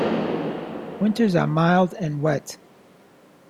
Winters are mild and wet.